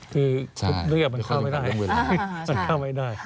คือทุกเรื่องมันเข้าไม่ได้